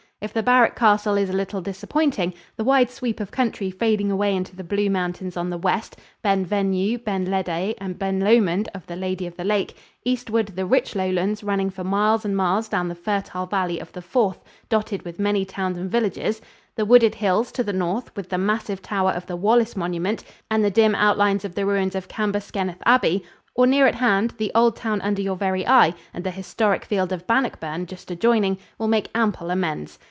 If the barrack castle is a little disappointing, the wide sweep of country fading away into the blue mountains on the west Ben Venue, Ben Ledi and Ben Lomond of "The Lady of the Lake" eastward the rich lowlands, running for miles and miles down the fertile valley of the Forth, dotted with many towns and villages; the wooded hills to the north with the massive tower of the Wallace monument and the dim outlines of the ruins of Cambuskenneth Abbey; or, near at hand, the old town under your very eye and the historic field of Bannockburn just adjoining, will make ample amends.